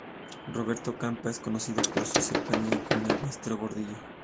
Roberto Campa es conocido por su cercanía con Elba Esther Gordillo.